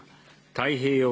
太平洋